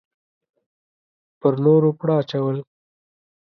په نورو پړه اچول.